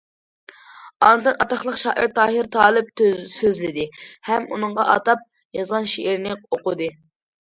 ئاندىن ئاتاقلىق شائىر تاھىر تالىپ سۆزلىدى ھەم ئۇنىڭغا ئاتاپ يازغان شېئىرىنى ئوقۇدى.